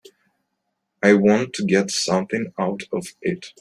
I want to get something out of it.